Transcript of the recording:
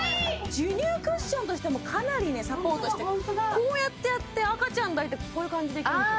授乳クッションとしてもかなりねサポートしてくれるこうやってやって赤ちゃん抱いてこういう感じでいけるんですよ